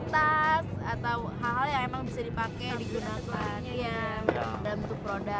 tas atau hal hal yang emang bisa dipakai digunakan ya dan untuk produk